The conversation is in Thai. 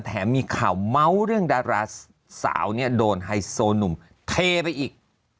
แถมมีข่าวเมาส์เรื่องดาราสาวเนี่ยโดนไฮโซหนุ่มเทไปอีก